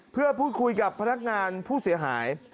เพื่อพูดคุยกับพนักงานผู้เสียหาย